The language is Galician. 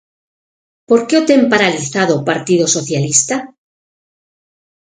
¿Por que o ten paralizado o Partido Socialista?